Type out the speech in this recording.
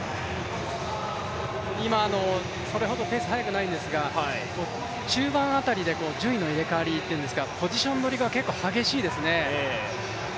今、それほどペースは速くないんですが順位の入れ替わりというんですか、ポジションどりが結構激しいですね。